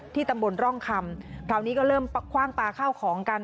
ตำบลร่องคำคราวนี้ก็เริ่มคว่างปลาข้าวของกัน